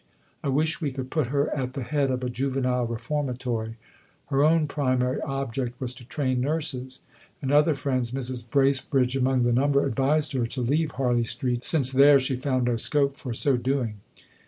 I wish we could put her at the head of a Juvenile Reformatory." Her own primary object was to train nurses; and other friends Mrs. Bracebridge among the number advised her to leave Harley Street, since there she found no scope for so doing.